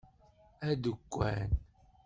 Adekkan.